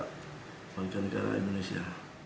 pemerintah negara indonesia